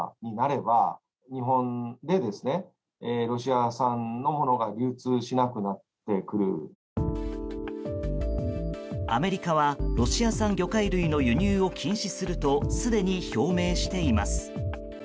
アメリカはロシア産魚介類の輸入を禁止するとすでに表明しています。